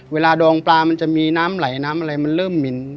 ดองปลามันจะมีน้ำไหลน้ำอะไรมันเริ่มเหม็น